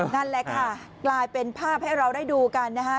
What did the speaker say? นั่นแหละค่ะกลายเป็นภาพให้เราได้ดูกันนะคะ